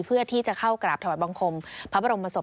เพื่อที่จะเข้ากราบถวายบังคมพระบรมศพ